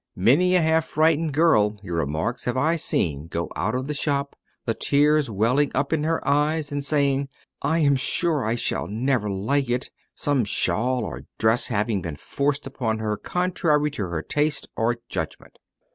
"Many a half frightened girl," he remarks, "have I seen go out of the shop, the tears welling up into her eyes, and saying, 'I am sure I shall never like it:' some shawl or dress having been forced upon her contrary to her taste or judgment."